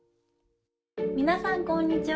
皆さんこんにちは。